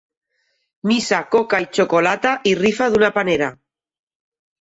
Missa, coca i xocolata i rifa d'una panera.